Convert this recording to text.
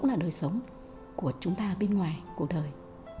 từ một đầm sen thôi nhưng mà chính cũng là đời sống của chúng ta bên ngoài của đời